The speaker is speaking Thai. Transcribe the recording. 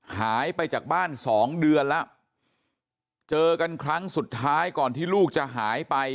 หายไปจากบ้านสองเดือนแล้วเจอกันครั้งสุดท้ายก่อนที่ลูกจะหายไป